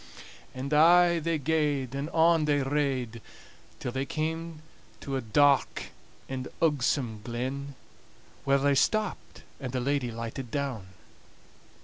And aye they gaed, and on they rade, till they came to a dark and ugsome glen, where they stopped, and the lady lighted down.